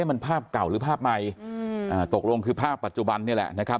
มันภาพเก่าหรือภาพใหม่ตกลงคือภาพปัจจุบันนี่แหละนะครับ